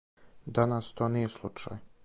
Данас то није случај.